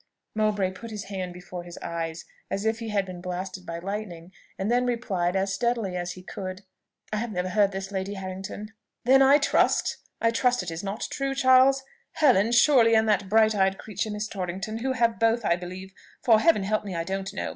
Mowbray put his hand before his eyes, as if he had been blasted by lightning, and then replied, as steadily as he could, "I have never heard this, Lady Harrington." "Then I trust I trust it is not true, Charles. Helen, surely, and that bright eyed creature Miss Torrington, who have both, I believe, (for, Heaven help me, I don't know!)